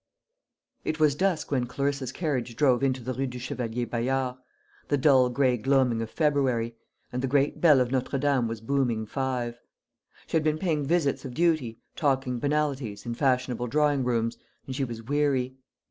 It was dusk when Clarissa's carriage drove into the Rue du Chevalier Bayard the dull gray gloaming of February and the great bell of Notre Dame was booming five. She had been paying visits of duty, talking banalities in fashionable drawing rooms, and she was weary.